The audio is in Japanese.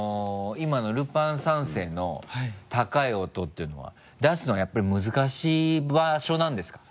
今の「ルパン三世」の高い音っていうのは出すのはやっぱり難しい場所なんですか？